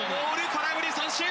空振り三振。